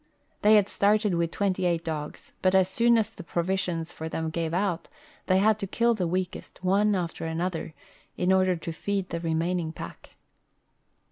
They had started with twenty eight dogs, hut as soon as the ]:>rovisions for them gave out they had to kill the weakest, one after an other, in order to feed the remaining j)ack.